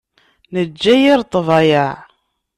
Nejja yir ḍḍbayeɛ.